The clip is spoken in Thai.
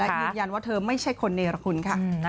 ยืนยันว่าเธอไม่ใช่คนเนรคุณค่ะ